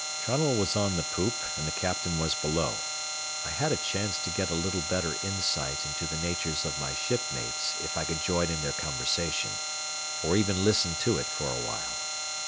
Trunnell was on the poop, and the captain was below. I had a chance to get a little better insight into the natures of my shipmates if I could join in their conversation, or even listen to it for a while.